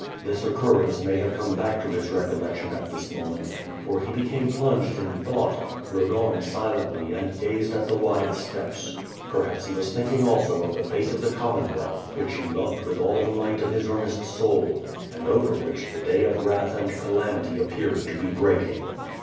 This occurrence may have come back to his recollection at this moment, for he became plunged in thought, rode on silently and gazed at the wide steppes. Perhaps he was thinking also of the fate of the Commonwealth, which he loved with all the might of his earnest soul, and over which the day of wrath and calamity appeared to be breaking.